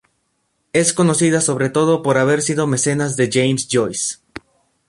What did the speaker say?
Es conocida sobre todo por haber sido mecenas de James Joyce.